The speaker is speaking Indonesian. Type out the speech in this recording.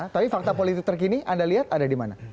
tapi fakta politik terkini anda lihat ada di mana